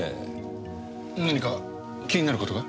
何か気になる事が？